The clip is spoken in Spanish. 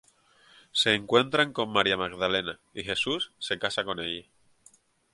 Se encuentran con María Magdalena y Jesús se casa con ella.